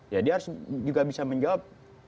ya dia harus juga bisa menjawab